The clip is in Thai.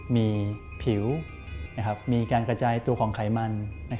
มีผิวมีการกระจายตัวของไขมัน